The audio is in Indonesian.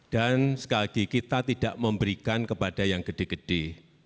dan sekali lagi kita tidak memberikan kepada yang gede gede